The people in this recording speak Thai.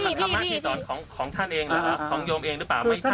คุณลุงมาบอกกับหนูนะหนูอยากรู้อีหรี่